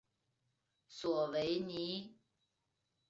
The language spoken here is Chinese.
索维尼。